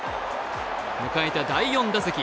迎えた第４打席。